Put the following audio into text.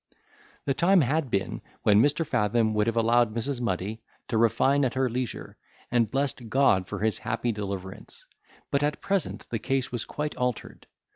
The time had been when Mr. Fathom would have allowed Mrs. Muddy to refine at her leisure, and blessed God for his happy deliverance; but at present the case was quite altered.